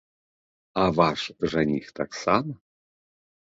А ваш жаніх таксама?